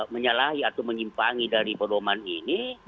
menyalahi atau menyimpangi dari pedoman ini